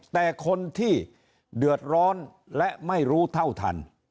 แต่คนที่เดือดร้อนและไม่รู้เท่าทัน